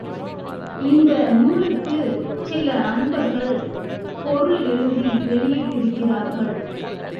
இந்த நூலுக்குச் சில அன்பர்கள் பொருள் எழுதி வெளியிட்டிருக்கிறார்கள்.